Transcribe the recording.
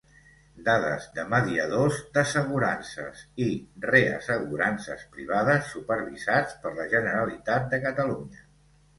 Dades de mediadors d'assegurances i reassegurances privades supervisats per la Generalitat de Catalunya.